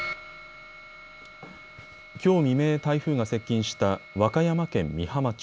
きょう未明、台風が接近した和歌山県美浜町。